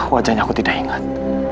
wajahnya aku tidak ingat